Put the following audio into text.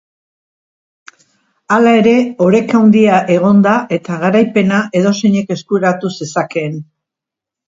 Hala ere, oreka handia egon da eta garaipena edozeinek eskuratu zezakeen.